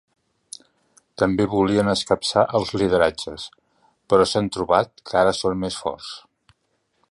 També volien escapçar els lideratges, però s’han trobat que ara són més forts.